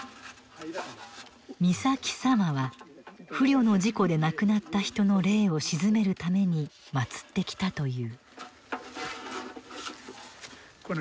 「御崎さま」は不慮の事故で亡くなった人の霊を鎮めるために祀ってきたという。